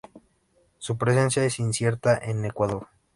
Su presencia es incierta en Ecuador.